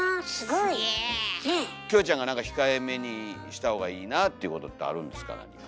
キョエちゃんが何か控えめにした方がいいなっていうことってあるんですか何か。